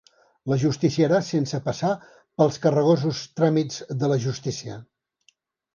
L'ajusticiarà sense passar pels carregosos tràmits de la justícia.